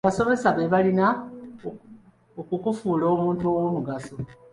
Abasomesa be balina okukufuula omuntu ow'omugaso.